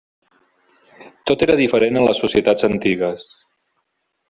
Tot era diferent en les societats antigues.